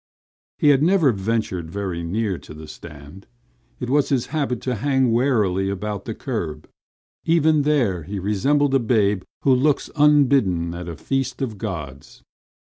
He had never ventured very near to the stand. It was his habit to hang warily about the curb. Even there he resembled a babe who looks unbidden at a feast of gods.